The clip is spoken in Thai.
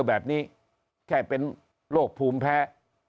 แบบนี้แค่เป็นโรคภูมิแพ้